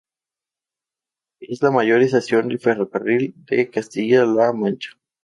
Es la mayor estación de ferrocarril de Castilla-La Mancha.